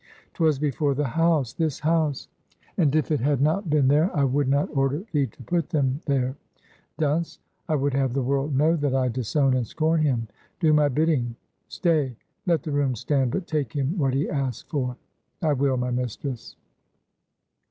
"'Twas before the house this house!" "And if it had not been there, I would not order thee to put them there. Dunce! I would have the world know that I disown and scorn him! Do my bidding! Stay. Let the room stand; but take him what he asks for." "I will, my mistress."